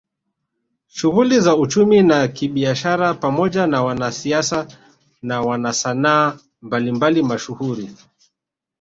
Shughuli za uchumi na kibiashara pamoja na wanasiasa na wanasanaa mbalimbali mashuhuri